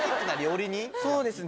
そうですね。